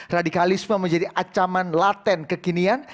radikalisme menjadi ancaman laten kekinian